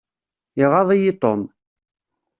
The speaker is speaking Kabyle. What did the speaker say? Iɣaḍ-iyi Tom.